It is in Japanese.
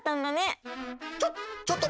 ちょっ！